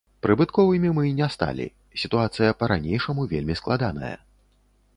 Прыбытковымі мы не сталі, сітуацыя па-ранейшаму вельмі складаная.